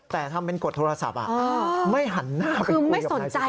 แต่ทำเป็นกดโทรศัพท์อ่ะไม่หันหน้าไปคุยกับนายสุเทพเลย